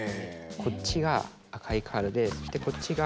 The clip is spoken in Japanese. こっちが赤いカードでそしてこっちが。